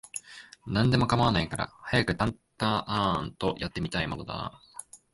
何でも構わないから、早くタンタアーンと、やって見たいもんだなあ